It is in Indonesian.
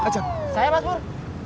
saya mas pur